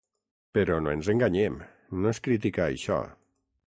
Però no ens enganyem, no es critica això.